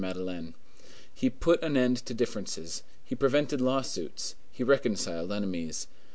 Madeleine. He put an end to differences, he prevented lawsuits, he reconciled enemies.